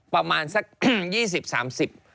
ประมาณสัก๒๐๓๐อัน